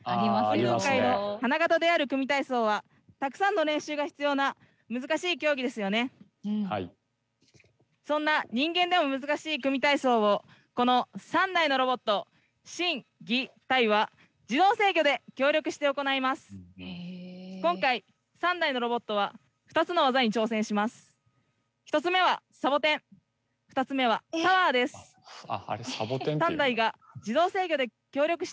今回３台のロボットは２つの技に挑戦します。